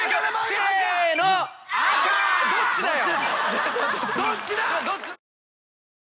どっちだよ。